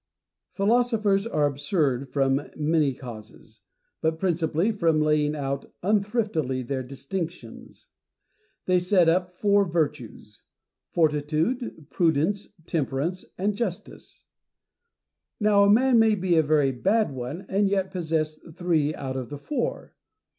Philosophers are absurd from many causes, but principally from laying out unthriftily their distinctions. They set up four virtues : fortitude, prudence, temperance, and justice. Now a man may be a very bad one, and yet possess three out of the four.